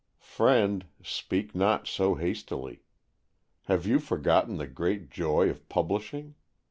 Friend, speak not so hastily. Have you forgotten the great joy of publishing?